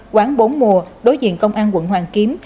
quán bốn mùa đối diện công an quận hoàn kiếm